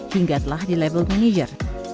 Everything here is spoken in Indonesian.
hingga telah di level manager